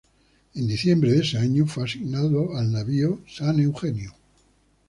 En diciembre de ese año fue asignado al navío "San Eugenio".